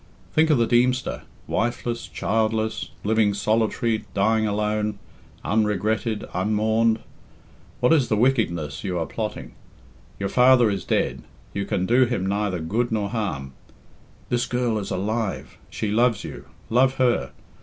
Think of the Deemster! Wifeless, childless, living solitary, dying alone, unregretled, unmourned. What is the wickedness you are plotting? Your father is dead, you can do him neither good nor harm. This girl is alive. She loves you. Love her.